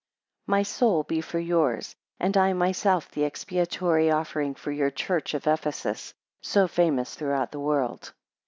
My soul be for yours; and I myself, the expiatory offering for your church of Ephesus; so famous throughout the world.